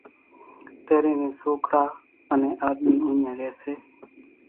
تيرين زين سوڪرا انين آۮمي اوڃان رئي سي۔